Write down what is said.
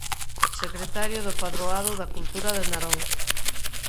Secretario do Padroado da Cultura de Narón.